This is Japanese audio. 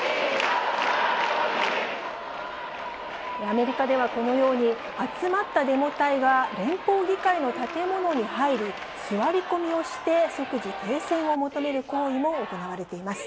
アメリカではこのように集まったデモ隊が連邦議会の建物に入り、座り込みをして即時停戦を求める行為も行われています。